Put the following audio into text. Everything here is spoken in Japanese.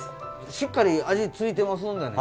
しっかり味ついてますんでね